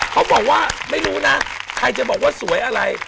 เขาบอกว่าไม่รู้นะใครจะบอกว่าสวยอะไร